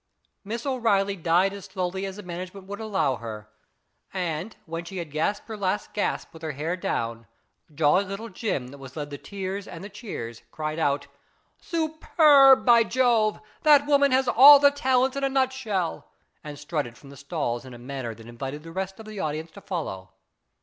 Miss O'REILLY died as slowly as the manage ment would allow her, and, when she had gasped her last gasp with her hair down, Jolly Little Jim that was led the tears and the cheers, cried out, " Superb, by Jove ! that woman has all the talents in a nut shell," and strutted from the stalls in a manner that in vited the rest of the audience to follow.